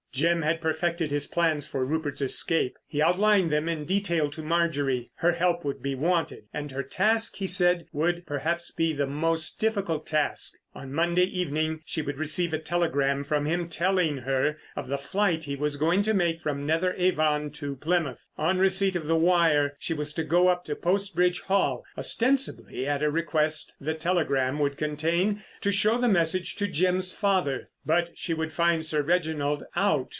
Jim had perfected his plans for Rupert's escape. He outlined them in detail to Marjorie. Her help would be wanted; and her task, he said, would perhaps be the most difficult task. On Monday evening she would receive a telegram from him telling her of the flight he was going to make from Netheravon to Plymouth. On receipt of the wire she was to go up to Post Bridge Hall, ostensibly at a request the telegram would contain, to show the message to Jim's father. But she would find Sir Reginald out.